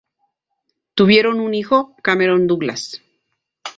Tuvieron un hijo, Cameron Douglas.